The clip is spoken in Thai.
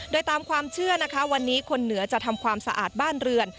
โดยตามความเชื่อนะคะวันนี้คนเหนือจะทำความสะอาดบ้านเรือน